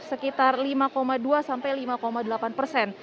sekitar lima dua sampai lima delapan persen